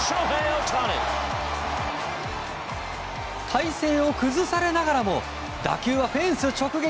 体勢を崩されながらも打球はフェンス直撃